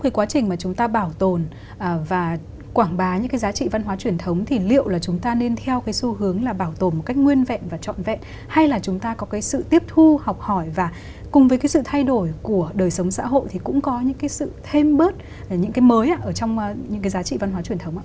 cái quá trình mà chúng ta bảo tồn và quảng bá những cái giá trị văn hóa truyền thống thì liệu là chúng ta nên theo cái xu hướng là bảo tồn một cách nguyên vẹn và trọn vẹn hay là chúng ta có cái sự tiếp thu học hỏi và cùng với cái sự thay đổi của đời sống xã hội thì cũng có những cái sự thêm bớt những cái mới ở trong những cái giá trị văn hóa truyền thống ạ